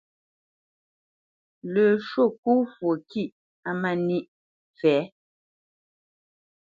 Lə́ shwô ŋkó fwo kîʼ á má níʼ fɛ̌.